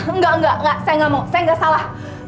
enggak enggak saya enggak mau saya enggak salah